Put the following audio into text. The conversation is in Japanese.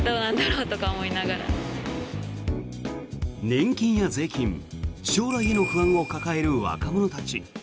年金や税金将来への不安を抱える若者たち。